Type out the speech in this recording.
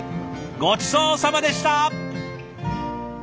ごちそうさまでした！